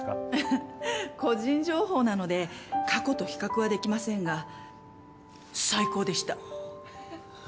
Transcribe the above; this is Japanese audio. フフッ個人情報なので過去と比較はできませんが最高でした！